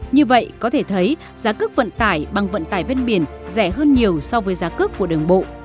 như vậy có thể thấy giá cước vận tải bằng vận tải ven biển rẻ hơn nhiều so với giá cước của đường bộ